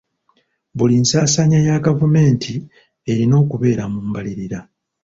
Buli nsaasaanya ya gavumenti erina okubeera mu mbalirira.